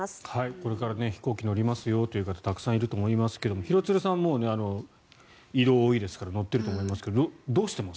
これから飛行機乗りますよという方たくさんいると思いますが廣津留さんも移動が多いですから乗っていると思いますがどうしています？